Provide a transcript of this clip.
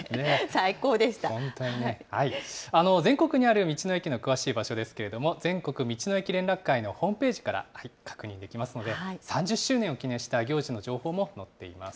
全国にある道の駅の詳しい場所ですけれども、全国道の駅連絡会のホームページから確認できますので、３０周年を記念した行事の情報も載っています。